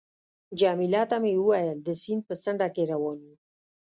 جميله ته مې وویل: د سیند په څنډه کې روان یو.